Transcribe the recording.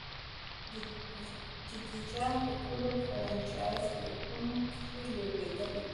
جډیجا په ټولو فرنچائز لیګونو کښي لوبېدلی.